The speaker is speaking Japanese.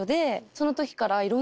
その時から。